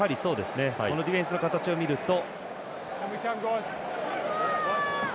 このディフェンスの形を見ると。